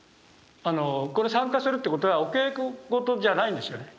これ参加するってことはお稽古事じゃないんですよね。